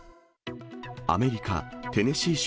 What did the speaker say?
アメリカ・テネシー州